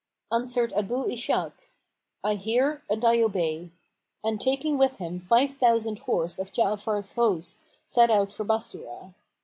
Answered Abu Ishak, "I hear and I obey;" and taking with him five thousand horse of Ja'afar's host set out for Bassorah.